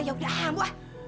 ya udah ambu